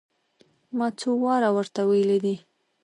ما څو واره ور ته ويلي دي.